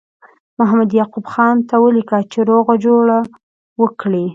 محمد یعقوب خان ته ولیکه چې روغه جوړه وکړي.